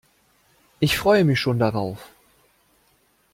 Ich freue mich schon darauf.